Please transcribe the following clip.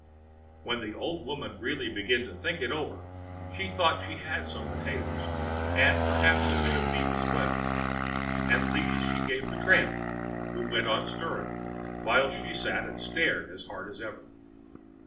When the old woman really began to think it over, she thought she had some potatoes, and perhaps a bit of beef as well; and these she gave the tramp, who went on stirring, while she sat and stared as hard as ever.